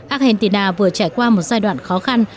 argentina vừa trải qua một giai đoạn khó khăn